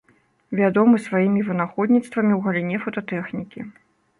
Вядомы сваімі вынаходніцтвамі ў галіне фотатэхнікі.